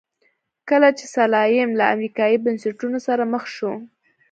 کله چې سلایم له امریکایي بنسټونو سره مخ شو.